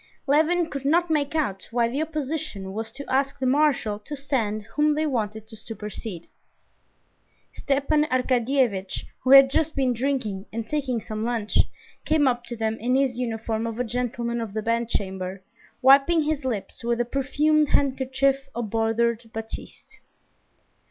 Levin could not make out why the opposition was to ask the marshal to stand whom they wanted to supersede. Stepan Arkadyevitch, who had just been drinking and taking some lunch, came up to them in his uniform of a gentleman of the bedchamber, wiping his lips with a perfumed handkerchief of bordered batiste.